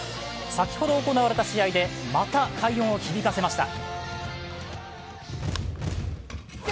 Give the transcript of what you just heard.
先ほど行われた試合で、また快音を響かせました。